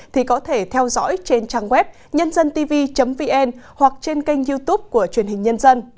thì có thể theo dõi trên trang web nhândântv vn hoặc trên kênh youtube của truyền hình nhân dân